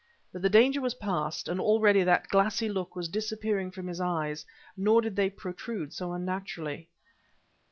But the danger was past, and already that glassy look was disappearing from his eyes, nor did they protrude so unnaturally.